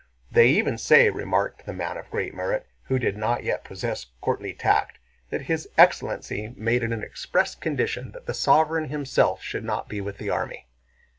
"They even say," remarked the "man of great merit" who did not yet possess courtly tact, "that his excellency made it an express condition that the sovereign himself should not be with the army."